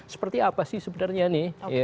seperti apa sih sebenarnya nih